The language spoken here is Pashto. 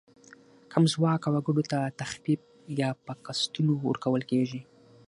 کم ځواکه وګړو ته تخفیف یا په قسطونو ورکول کیږي.